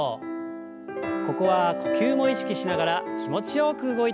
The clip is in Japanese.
ここは呼吸も意識しながら気持ちよく動いてください。